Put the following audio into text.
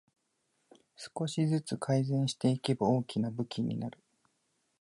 少しずつ改善していけば大きな武器になる